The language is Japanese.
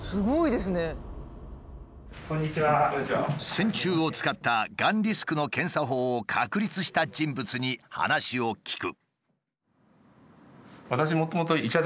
線虫を使ったがんリスクの検査法を確立した人物に話を聞く。